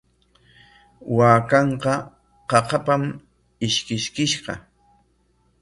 Waakanqa qaqapam ishkiskishqa.